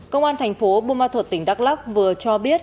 công an thành phố bumathut tỉnh đắk lóc vừa cho biết